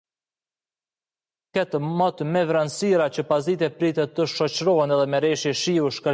The four-storey steel structure was erected by United Engineers.